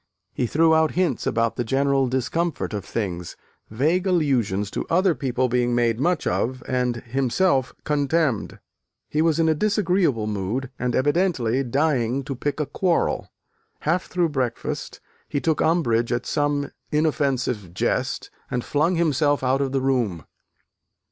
He threw out hints about the general discomfort of things, vague allusions to other people being made much of and himself contemned. He was in a disagreeable mood, and evidently dying to pick a quarrel. Half through breakfast, he took umbrage at some inoffensive jest, and flung himself out of the room.